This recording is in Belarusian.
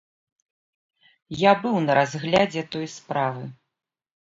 Я быў на разглядзе той справы.